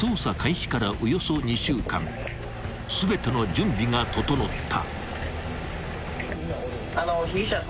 ［全ての準備が整った］